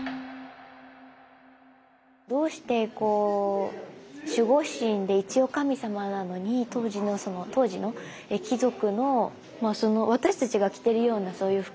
どうして守護神で一応神様なのに当時の貴族の私たちが着てるようなそういう服を着てるんですか？